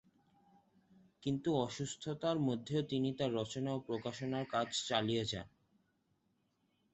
কিন্তু অসুস্থতার মধ্যেও তিনি তাঁর রচনা ও প্রকাশনার কাজ চালিয়ে যান।